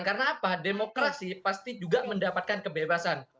karena apa demokrasi pasti juga mendapatkan kebebasan